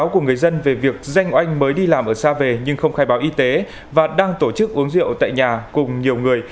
của người dân về việc danh oanh mới đi làm ở xa về nhưng không khai báo y tế và đang tổ chức uống rượu tại nhà cùng nhiều người